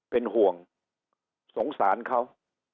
เป็นห่วงสงสารเขา